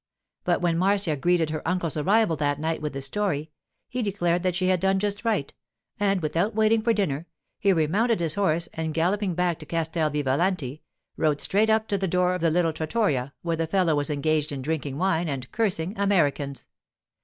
But when Marcia greeted her uncle's arrival that night with the story, he declared that she had done just right; and without waiting for dinner, he remounted his horse, and galloping back to Castel Vivalanti, rode straight up to the door of the little trattoria, where the fellow was engaged in drinking wine and cursing Americans.